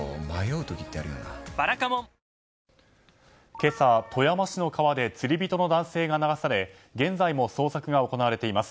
今朝、富山市の川で釣り人の男性が流され現在も捜索が行われています。